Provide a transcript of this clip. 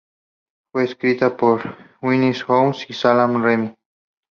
Fue escrita por Winehouse y Salaam Remi.